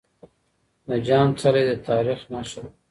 د جام څلی د تاريخ نښه ده.